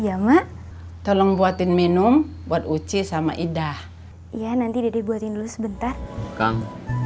iya mak tolong buatin minum buat uci sama ida iya nanti dede buatin dulu sebentar kang